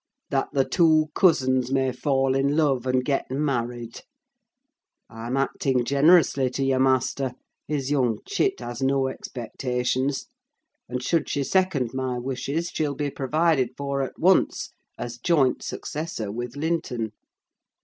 "That the two cousins may fall in love, and get married. I'm acting generously to your master: his young chit has no expectations, and should she second my wishes she'll be provided for at once as joint successor with Linton."